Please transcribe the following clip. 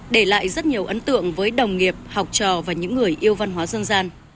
để lại rất nhiều ấn tượng với đồng nghiệp học trò và những người yêu thương